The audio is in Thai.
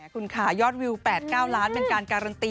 คุณค่ะยอดวิว๘๙ล้านเป็นการการันตี